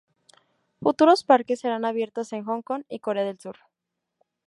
Futuros parques serán abiertos en Hong Kong y Corea del Sur.